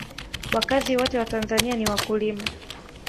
wakazi wote wa tanzania ni wakulima